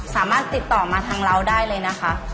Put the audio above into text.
สามารถติดต่อมาทางเราได้เลยนะคะ